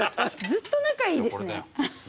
ずっと仲いいですね。